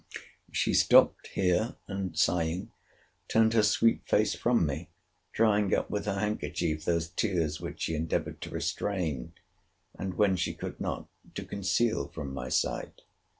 She stopped here, and, sighing, turned her sweet face from me, drying up with her handkerchief those tears which she endeavoured to restrain; and, when she could not, to conceal from my sight.